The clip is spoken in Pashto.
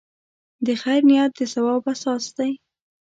د خیر نیت د ثواب اساس دی.